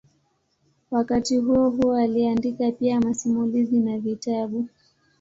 Wakati huohuo aliandika pia masimulizi na vitabu.